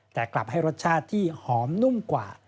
แต่กลับให้รสชาติที่หอมนุ่มกว่า